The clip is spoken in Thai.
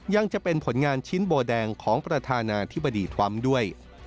ยังจะเป็นผลงานชิ้นโบแดงของประธานาธิบดีทรัมป์ด้วย